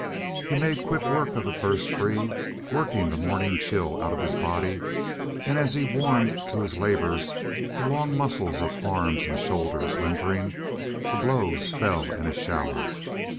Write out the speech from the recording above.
He made quick work of the first tree, working the morning chill out of his body, and as he warmed to his labor, the long muscles of arms and shoulders limbering, the blows fell in a shower.